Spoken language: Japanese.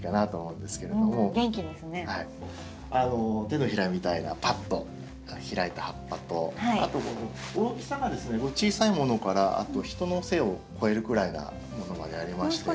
手のひらみたいなパッと開いた葉っぱとあと大きさがですね小さいものから人の背を越えるぐらいなものまでありまして。